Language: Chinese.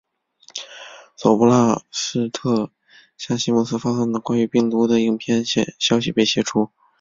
佐布拉斯特向西姆斯发送的关于病毒的影片消息被泄出。